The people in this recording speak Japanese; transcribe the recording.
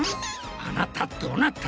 あなたどなた？